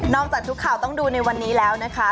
จากทุกข่าวต้องดูในวันนี้แล้วนะคะ